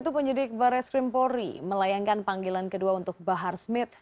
untuk penyidik barreskrim polri melayangkan panggilan kedua untuk bahar smith